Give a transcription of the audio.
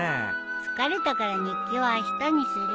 疲れたから日記はあしたにするよ。